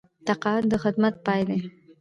تقاعد د خدمت پای دی